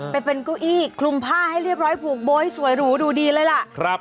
ไปเป็นเก้าอี้คลุมผ้าให้เรียบร้อยผูกโบ๊ยสวยหรูดูดีเลยล่ะ